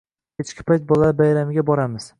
“Kechki payt bolalar bayramiga boramiz.